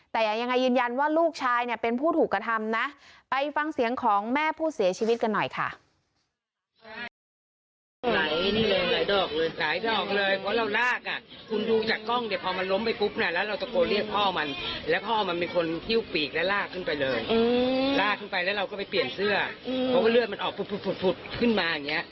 แต่ยังไงยืนยันว่าลูกชายเนี่ยเป็นผู้ถูกกระทำนะไปฟังเสียงของแม่ผู้เสียชีวิตกันหน่อยค่ะ